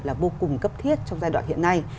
là vô cùng cấp thiết trong giai đoạn hiện nay